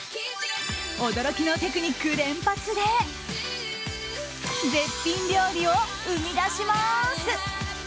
驚きのテクニック連発で絶品料理を生み出します。